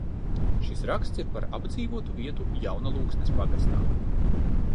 Šis raksts ir par apdzīvotu vietu Jaunalūksnes pagastā.